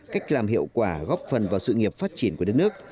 cách làm hiệu quả góp phần vào sự nghiệp phát triển của đất nước